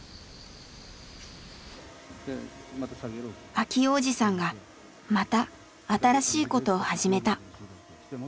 明男おじさんがまた新しいことを始めた。